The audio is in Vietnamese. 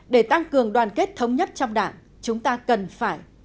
để tăng cường đoàn kết thống nhất trong đảng chúng ta cần phải